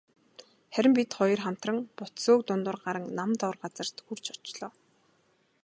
Харин бид хоёр хамтран бут сөөг дундуур гаран нам доор газарт хүрч очлоо.